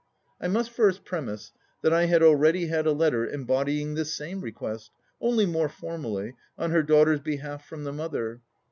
I must first premise that I had already had a letter embody ing the same request, only more formally, on her daughter's behalf from the mother.